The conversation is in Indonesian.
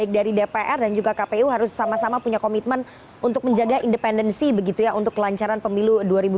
dari dpr dan juga kpu harus sama sama punya komitmen untuk menjaga independensi begitu ya untuk kelancaran pemilu dua ribu dua puluh